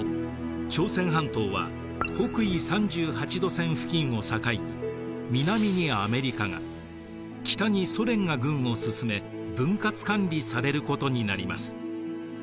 朝鮮半島は北緯３８度線付近を境に南にアメリカが北にソ連が軍を進め分割管理されることになります。